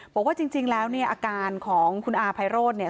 บอกว่าจริงแล้วเนี่ยอาการของคุณอาภัยโรธเนี่ย